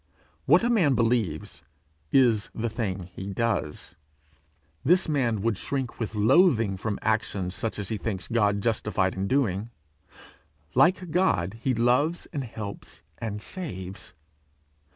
What a man believes, is the thing he does. This man would shrink with loathing from actions such as he thinks God justified in doing; like God, he loves and helps and saves.